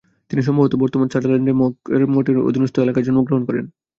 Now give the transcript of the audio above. তিনি সম্ভবত বর্তমান সান্ডারল্যান্ডের মঙ্কওয়্যারমাউথ মঠের অধীনস্থ এলাকায় জন্মগ্রহণ করেন।